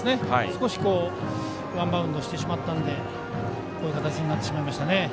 少しワンバウンドしてしまったのでこういう形になってしまいました。